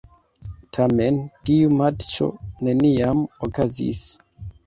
Tamen tiu matĉo neniam okazis.